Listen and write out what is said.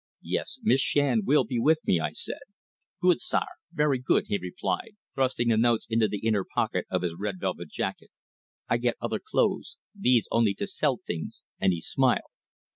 "Yes, Miss Shand will be with me," I said. "Good, sare very good!" he replied, thrusting the notes into the inner pocket of his red velvet jacket. "I get other clothes these only to sell things," and he smiled.